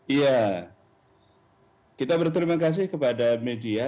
iya kita berterima kasih kepada media